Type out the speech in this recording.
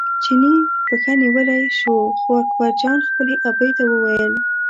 چیني پښه نیولی شو خو اکبرجان خپلې ابۍ ته وویل.